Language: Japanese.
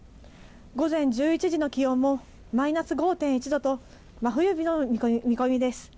午前１１時の気温もマイナス５．１度と真冬日の見込みです。